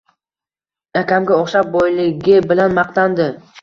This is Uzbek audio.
Akamga oʻxshab boyligi bilan maqtandi.